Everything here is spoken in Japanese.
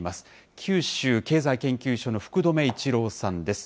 九州経済研究所の福留一郎さんです。